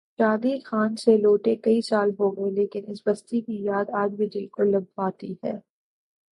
شادی خان سے لوٹے کئی سال ہو گئے لیکن اس بستی کی یاد آج بھی دل کو لبھاتی ہے۔